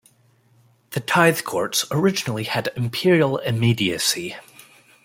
The tithe courts originally had Imperial immediacy.